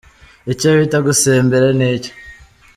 Icyo bita gusembere ni iki ?